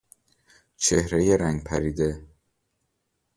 چهرهی رنگ پریده